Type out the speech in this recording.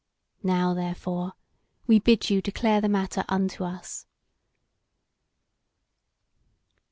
Now, therefore, we bid you declare the matter unto us."